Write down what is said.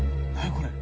これ。